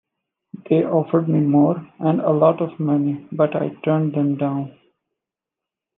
They offered me more and a lot of money, but I turned them down.